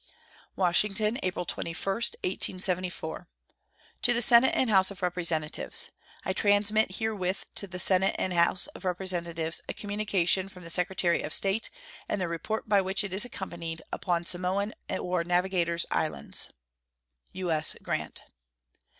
WASHINGTON, April 21, 1874. To the Senate and House of Representatives: I transmit herewith to the Senate and House of Representatives a communication from the Secretary of State and the report by which it is accompanied, upon Samoan or Navigators Islands. U.S. GRANT.